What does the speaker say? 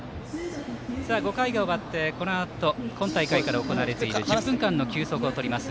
５回が終わって、このあと今大会から行われている１０分間の休息をとります。